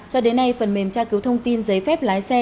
cho đến nay phần mềm tra cứu thông tin giấy phép lái xe